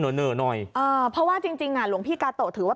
เหน่อหน่อยเออเพราะว่าจริงจริงอ่ะหลวงพี่กาโตะถือว่า